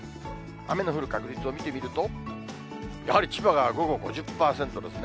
雨の降る確率を見てみると、やはり千葉が午後５０％ですね。